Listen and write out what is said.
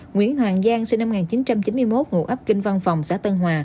nguyễn hoàng giang sinh năm một nghìn chín trăm chín mươi một ngụ ấp kinh văn phòng xã tân hòa